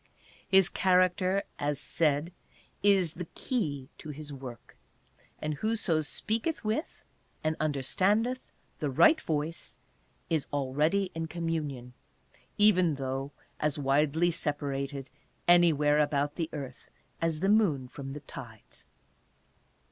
His character, as s aid, is the key to his work, and "Whoso speaketh with," and understandeth "the right voice," is already in communion, even though as widely separated " anywhere about the earth" as the moon from the tides.